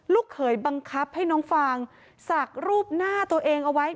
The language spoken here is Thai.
เขยบังคับให้น้องฟางสักรูปหน้าตัวเองเอาไว้